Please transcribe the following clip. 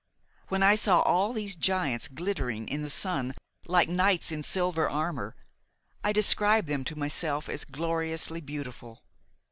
When I saw all these giants glittering in the sun like knights in silver armor, I described them to myself as gloriously beautiful.